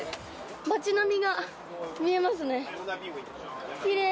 街並みが見えますね奇麗。